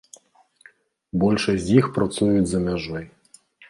Большасць з іх працуюць за мяжой.